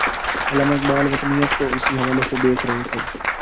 علامہ اقبال وطنیت کو اسی حوالے سے دیکھ رہے تھے۔